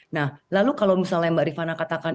nah lalu kalau misalnya mbak rifana katakan